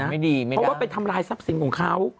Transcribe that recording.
เพราะว่าไปทำลายทรัพย์สินของเขา